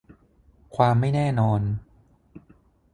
ความไม่แน่นอน